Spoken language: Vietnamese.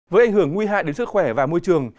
với ảnh hưởng nguy hại đến sức khỏe và môi trường